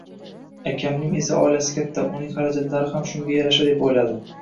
Akamning esa oilasi katta, uning xarajatlari ham shunga yarasha, deb o`yladi